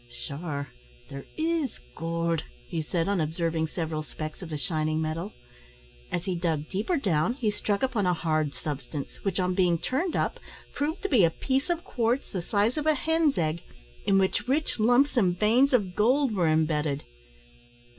"Sure, there is goold," he said, on observing several specks of the shining metal. As he dug deeper down, he struck upon a hard substance, which, on being turned up, proved to be a piece of quartz, the size of a hen's egg, in which rich lumps and veins of gold were embedded.